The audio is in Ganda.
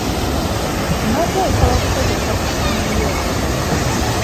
Mbadde nsaba kukozesa ku simu yo.